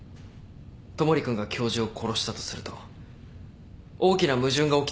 戸守君が教授を殺したとすると大きな矛盾が起きてしまいます。